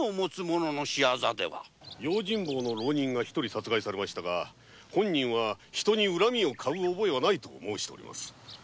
用心棒の浪人者が一人殺害されましたが本人は「人に恨みを買う覚えはない」と申して。